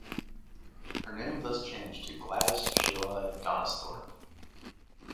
Her name thus changed to Gladys Sheila Donisthorpe.